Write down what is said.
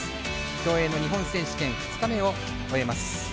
競泳の日本選手権２日目を終えます。